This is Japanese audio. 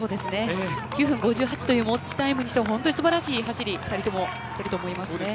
９分５８という持ちタイムとしても本当にすばらしい走りを２人ともしていると思います。